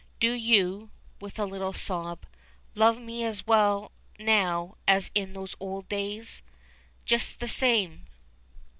Do you," with a little sob, "love me as well now as in those old days? Just the same!